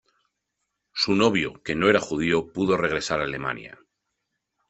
Su novio, que no era judío, pudo regresar a Alemania.